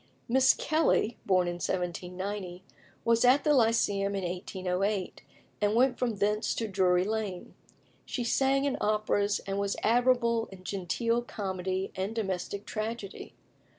Miss Kelly, born in 1790, was at the Lyceum in 1808, and went from thence to Drury Lane. She sang in operas, and was admirable in genteel comedy and domestic tragedy.